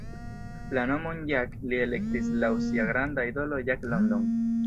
La nomon "Jack" li elektis laŭ sia granda idolo Jack London.